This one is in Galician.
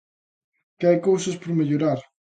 ¿Que hai cousas por mellorar?